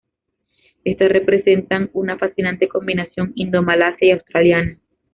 Estas representan una fascinante combinación Indo-Malasia y Australiana.